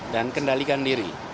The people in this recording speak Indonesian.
dan kendalikan diri